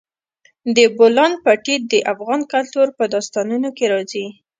د بولان پټي د افغان کلتور په داستانونو کې راځي.